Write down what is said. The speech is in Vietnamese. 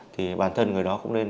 thì bản thân người đó cũng nên